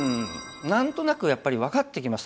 何となくやっぱり分かってきました。